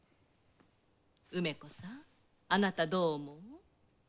梅子さんあなたどう思う？